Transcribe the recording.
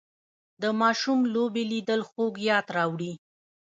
د ماشوم لوبې لیدل خوږ یاد راوړي